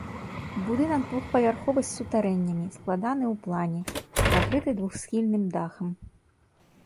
Будынак двухпавярховы з сутарэннямі, складаны ў плане, накрыты двухсхільным дахам.